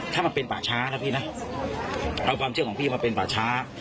ถ้ามันเป็นป่าช้านะพี่นะเอาความเชื่อของพี่มาเป็นป่าช้า